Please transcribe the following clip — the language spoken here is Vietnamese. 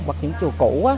hoặc những chùa cũ